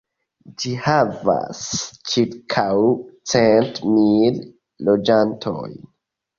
Ĝi havas ĉirkaŭ cent mil loĝantojn.